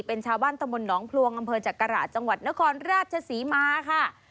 เป็นชาวบ้านตำบลหนองพลวงอำเภอจักราชจังหวัดนครราชศรีมาค่ะ